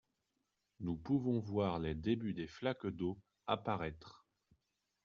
Nous pouvons voir les débuts des flaques d’eau apparaître.